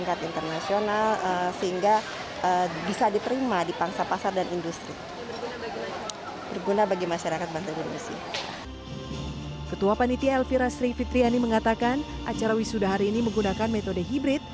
ketua panitia elvira sri fitriani mengatakan acara wisuda hari ini menggunakan metode hibrid